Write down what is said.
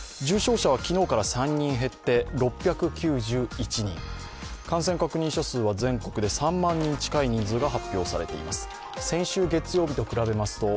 重症者は昨日から３人減って６９１人、感染確認者は全国で３万人近い人数が発表されています。